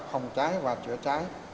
phòng cháy và chữa cháy